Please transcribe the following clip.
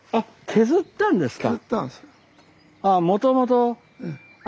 削ったんですよ。